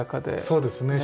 そうですね